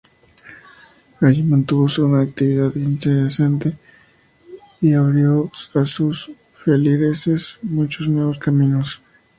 Allí mantuvo una actividad incesante y abrió a sus feligreses muchos nuevos caminos.